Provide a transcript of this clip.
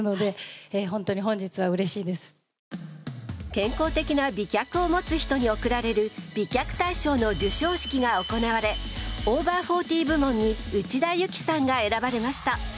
健康的な美脚を持つ人に贈られる美脚大賞の授賞式が行われオーバーフォーティー部門に内田有紀さんが選ばれました。